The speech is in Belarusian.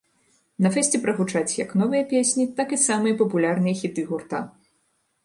На фэсце прагучаць як новыя песні, так і самыя папулярныя хіты гурта!